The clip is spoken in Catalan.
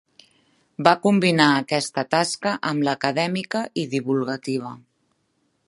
Va combinar aquesta tasca amb l'acadèmica i divulgativa.